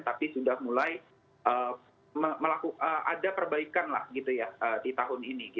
tapi sudah mulai ada perbaikan lah gitu ya di tahun ini